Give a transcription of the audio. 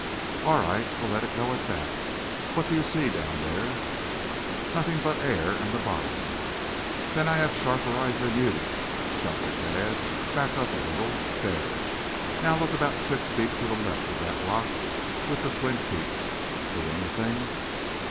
"All right, we'll let it go at that. What do you see down there?" "Nothing but air and the bottom." "Then I have sharper eyes than you," chuckled Tad. "Back up a little. There. Now look about six feet to the left of that rock with the twin peaks. See anything?"